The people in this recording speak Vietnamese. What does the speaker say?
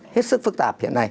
hết sức phức tạp hiện nay